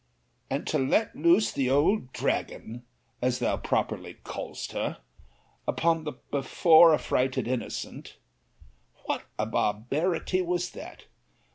—And to let loose the old dragon, as thou properly callest her, upon the before affrighted innocent, what a barbarity was that!